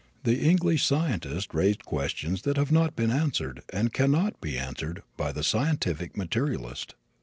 The English scientist raised questions that have not been answered, and cannot be answered, by the scientific materialist.